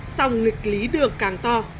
xong nghịch lý đường càng to